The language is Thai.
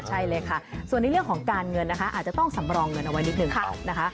ใช่เลยค่ะส่วนในเรื่องของการเงินนะคะอาจจะต้องสำรองเงินเอาไว้นิดนึงนะคะ